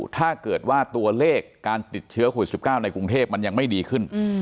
ถ้าเกิดว่าตัวเลขการติดเชื้อโควิด๑๙ในกรุงเทพมันยังไม่ดีขึ้น